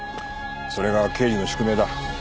それが刑事の宿命だ。